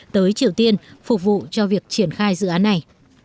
tới triều tiên phục vụ cho việc triển khai dự án này